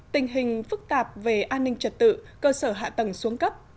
tình hình phức tạp về an ninh trật tự cơ sở hạ tầng xuống cấp